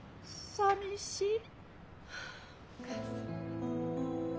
さみしっ！